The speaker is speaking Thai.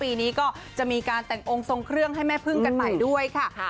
ปีนี้ก็จะมีการแต่งองค์ทรงเครื่องให้แม่พึ่งกันใหม่ด้วยค่ะ